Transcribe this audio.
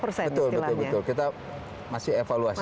betul betul kita masih evaluasi